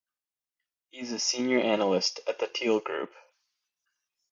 He is a senior analyst at the Teal Group.